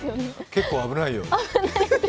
結構危ないよ。